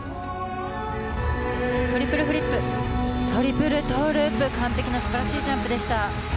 トリプルフリップトリプルトゥループ完璧な素晴らしいジャンプでした。